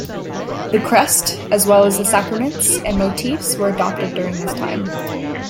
The Crest, as well as the sacraments, and motifs were adopted during this time.